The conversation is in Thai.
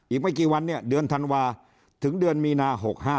อีกไม่กี่วันเนี่ยเดือนธันวาถึงเดือนมีนา๖๕